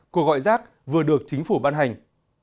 cô gọi rác vừa được chính phủ ban hành